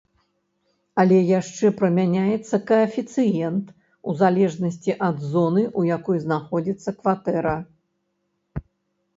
Але яшчэ прымяняецца каэфіцыент у залежнасці ад зоны, у якой знаходзіцца кватэра.